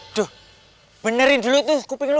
aduh benerin dulu tuh kuping lo